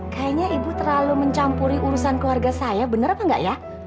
kayaknya ibu terlalu mencampuri urusan keluarga saya benar apa enggak ya